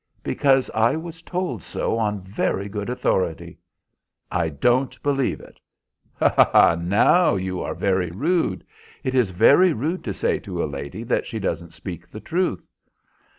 "Because I was told so on very good authority." "I don't believe it." "Ha, ha! now you are very rude. It is very rude to say to a lady that she doesn't speak the truth."